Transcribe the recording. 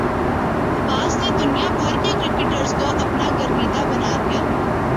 عباس نے دنیا بھر کے کرکٹرز کو اپنا گرویدہ بنا لیا